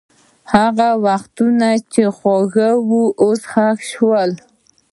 هغه وختونه چې خوږ وو، اوس ښخ شول.